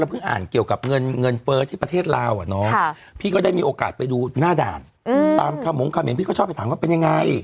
ก็เพิ่งอ่านเกี่ยวกับเงินเฟ้อที่ประเทศราวน์พี่ก็ได้มีโอกาสไปดูหน้าด่านตามข้าวมงค์ข้าวเหมียงพี่ก็ชอบไปถามว่าเป็นยังไง